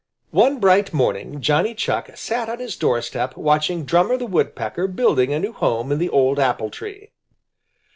One bright morning Johnny Chuck sat on his door step watching Drummer the Woodpecker building a new home in the old apple tree.